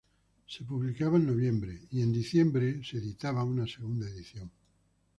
Se publicaba en noviembre y en diciembre se editaba una segunda edición.